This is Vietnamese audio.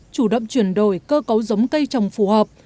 chủ động chuyển đổi cơ cấu giống cây trồng phù hợp